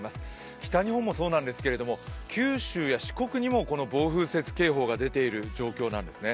北日本もそうなんですけれども九州や四国にも暴風雪警報が出ている状況なんです。